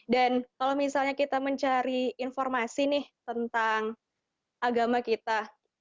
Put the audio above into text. dan kalau misalnya kita mencari informasi tentang agama kita